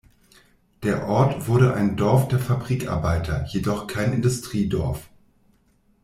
Der Ort wurde ein Dorf der Fabrikarbeiter, jedoch kein Industriedorf.